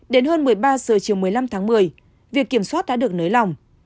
đến hơn một mươi ba giờ chiều một mươi năm tháng một mươi việc kiểm soát đã được nới lỏng